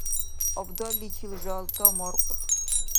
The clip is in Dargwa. Абдалличил жалта маркьуд.